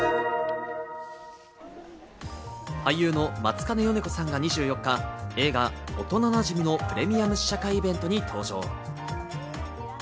俳優の松金よね子さんが２４日、映画『おとななじみ』のプレミアム試写会イベントに登場。